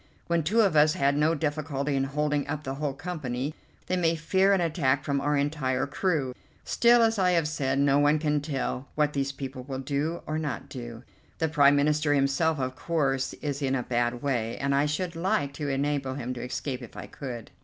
When two of us had no difficulty in holding up the whole company, they may fear an attack from our entire crew. Still, as I have said, no one can tell what these people will do or not do. The Prime Minister himself, of course, is in a bad way, and I should like to enable him to escape if I could."